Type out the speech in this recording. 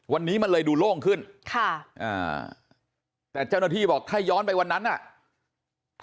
วันนี้มันเลยดูโล่งขึ้นค่ะอ่าแต่เจ้าหน้าที่บอกถ้าย้อนไปวันนั้นอ่ะ